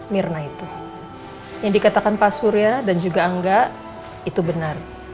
mirna itu yang dikatakan pak surya dan juga angga itu benar